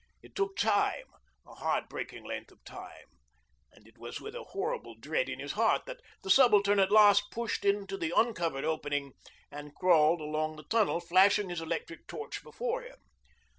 It took time, a heart breaking length of time; and it was with a horrible dread in his heart that the Subaltern at last pushed in to the uncovered opening and crawled along the tunnel, flashing his electric torch before him.